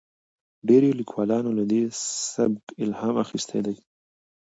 ډیرو لیکوالانو له دې سبک الهام اخیستی دی.